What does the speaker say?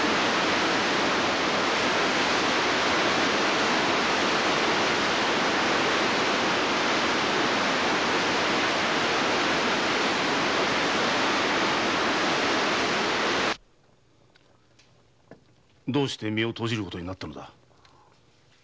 どうして身を投じる事になったのだ？